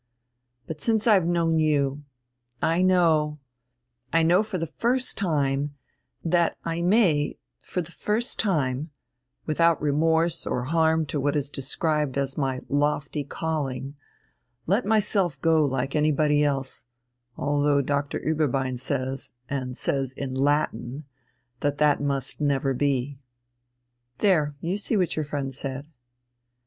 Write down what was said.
But since I have known you, I know, I know for the first time, that I may for the first time, without remorse or harm to what is described as my lofty calling, let myself go like anybody else, although Doctor Ueberbein says, and says in Latin, that that must never be." "There, you see what your friend said."